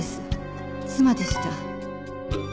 「妻でした」